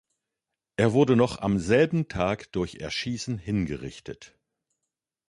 Er wurde noch am selben Tag durch Erschießen hingerichtet.